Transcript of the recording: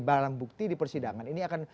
barang bukti di persidangan ini akan